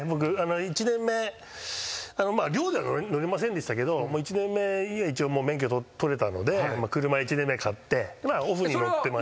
１年目寮では乗りませんでしたけど１年目一応免許取れたので車１年目買ってオフに乗ってました。